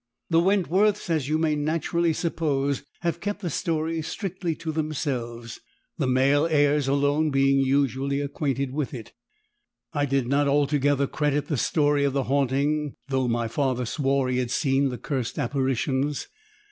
"The Wentworths, as you may naturally suppose, have kept the story strictly to themselves the male heirs alone being usually acquainted with it. "I did not altogether credit the story of the haunting though my father swore he had seen the cursed apparitions.